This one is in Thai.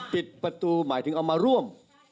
ปิดประตูหมายถึงเอามาร่วม